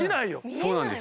そうなんです。